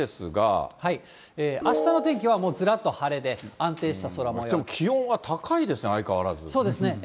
あしたの天気は、もうずらっ気温は高いですね、そうですね。